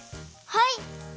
はい！